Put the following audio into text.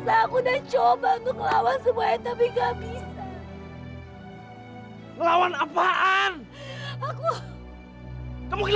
sampai jumpa di video selanjutnya